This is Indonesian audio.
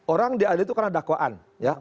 orang diadil itu karena dakwaan